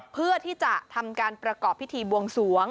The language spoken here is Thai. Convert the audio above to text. เพื่อที่จะทำการประกอบพิธีบวงสวง